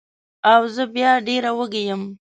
او زه بیا ډېره وږې یم